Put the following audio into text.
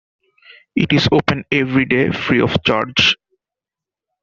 It is open every day free of charge.